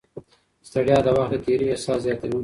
ستړیا د وخت د تېري احساس زیاتوي.